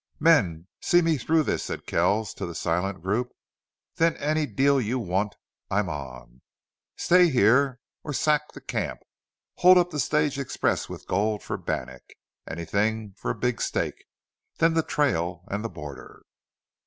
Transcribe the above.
"Men, see me through this," said Kells to the silent group. "Then any deal you want I'm on. Stay here or sack the camp! Hold up the stage express with gold for Bannack! Anything for a big stake! Then the trail and the border."